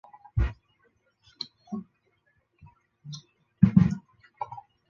曾任中国科学院上海生物化学与细胞生物学研究所研究员。